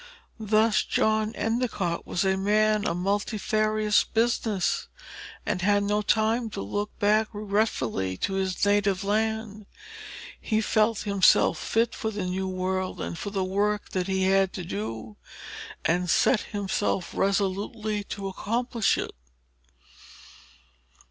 Thus John Endicott was a man of multifarious business, and had no time to look back regretfully to his native land. He felt himself fit for the new world, and for the work that he had to do, and set himself resolutely to accomplish it.